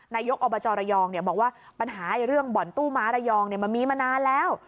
นายกอบจระยองบอกว่าปัญหาเรื่องบ่อนตู้ม้าระยองมันมีมานานแล้ว